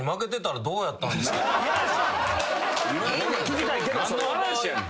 聞きたいけどそれは。何の話やねん！？